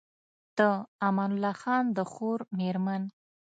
د امان الله خان د خور مېرمن